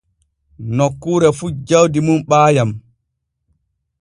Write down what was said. Nokkuure fu jawdi mum ɓaayam.